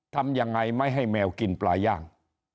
ทำยังไงไม่ให้แมวกินปลาย่าง